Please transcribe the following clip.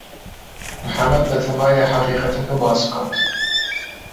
محەمەد بەتەمایە حەقیقەتەکە باس بکات.